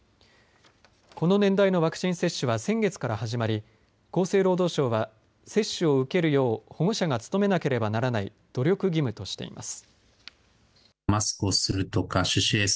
この年代のワクチン接種は先月から始まり厚生労働省は、接種を受けるよう保護者が努めなければならない努力義務としています。